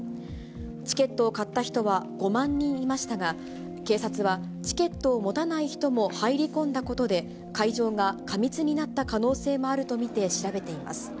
チケットを買った人は５万人いましたが、警察は、チケットを持たない人も入り込んだことで、会場が過密になった可能性もあると見て調べています。